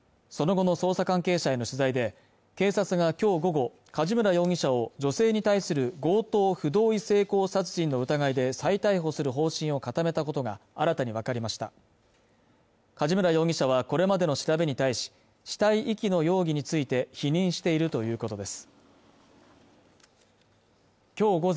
その後の捜査関係者への取材で警察が今日午後、梶村容疑者を女性に対する強盗不同意性交殺人の疑いで再逮捕する方針を固めたことが新たに分かりました梶村容疑者はこれまでの調べに対し死体遺棄の容疑について否認しているということです